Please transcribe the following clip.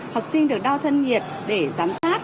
học sinh được đo thân nghiệt để giám sát